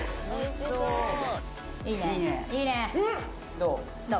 どう？